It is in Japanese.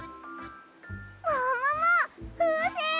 もももふうせん！